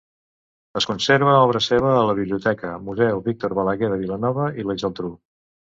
Es conserva obra seva a la Biblioteca Museu Víctor Balaguer de Vilanova i la Geltrú.